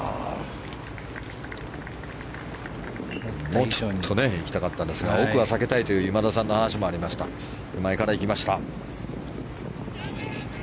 もうちょっと行きたかったですが奥は避けたいという今田さんの話もありましたので手前から行きました。